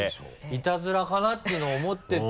イタズラかな？っていうのを思ってて。